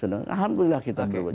alhamdulillah kita berbuat